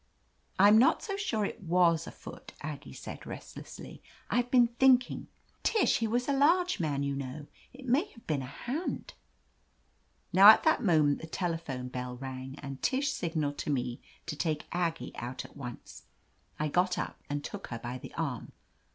"I'm not so sure it was a foot," Aggie said restlessly. "I've been thinking, Tish — ^he was a large man, you know. It may have been a hand." Now at that moment the telephone bell rang, ft and Tish signaled to me to take Aggie out at once. I got up and took her by the arm.